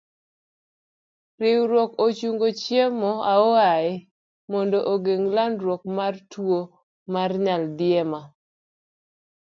Riwruok ochungo chiemo aoyaye mondo ogeng' landruok mar tuo mar nyal diema.